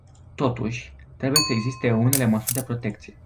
Totuși, trebuie să existe unele măsuri de protecție.